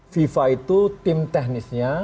fifa itu tim teknisnya